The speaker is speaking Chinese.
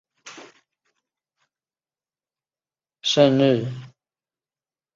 圣日尔曼朗戈。